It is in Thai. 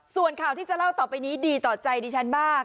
ส่วนข่าวที่จะเล่าต่อไปนี้ดีต่อใจดิฉันมาก